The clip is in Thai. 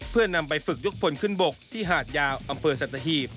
เพื่อนำไปฝึกยกพลขึ้นบกที่หาดยาวอำเภอสัตหีบ